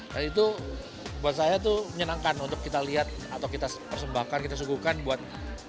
dan itu buat saya tuh menyenangkan untuk kita lihat atau kita persembahkan kita suguhkan buat